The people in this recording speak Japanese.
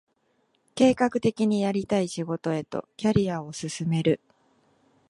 計画的にやりたい仕事へとキャリアを進める